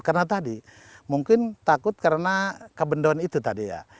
karena tadi mungkin takut karena kabendon itu tadi ya